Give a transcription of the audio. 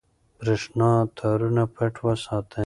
برېښنا تارونه پټ وساتئ.